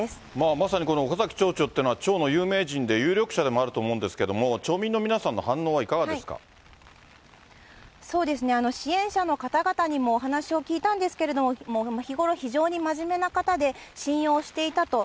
まさに岡崎町長っていうのは、町の有名人で有力者でもあると思うんですけども、町民の皆さんの支援者の方々にもお話を聞いたんですけれども、日頃非常に真面目な方で、信用していたと。